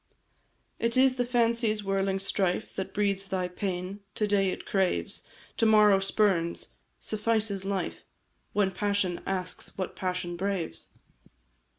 "It is the fancy's whirling strife That breeds thy pain to day it craves, To morrow spurns suffices life When passion asks what passion braves?